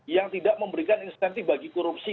yang tidak memberikan insentif bagi korupsi